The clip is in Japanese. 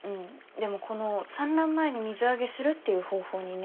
でもこの産卵前に水揚げするっていう方法にね